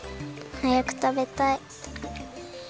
はやくたべたい。